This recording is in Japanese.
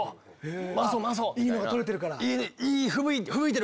いいのが撮れてるから。